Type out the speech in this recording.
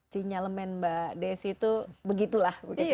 si nyalemen mbak desi itu begitulah